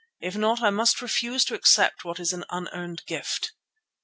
If not I must refuse to accept what is an unearned gift."